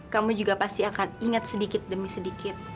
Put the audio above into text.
kamu juga pasti akan ingat sedikit demi sedikit